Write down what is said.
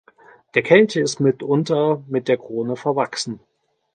Der Kelch ist mitunter mit der Krone verwachsen.